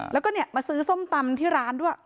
แล้วก็มาซื้อส้มตำที่ร้านด้วย